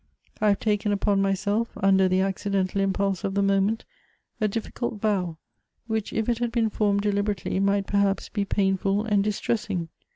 I have taken upon myself, under the accidental impulse of the moment, a difficult vow, which if it had been formed deliberately, might perhaps be painful and dis tressing.